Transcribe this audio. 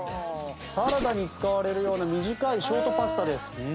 サラダに使われるような短いショートパスタです。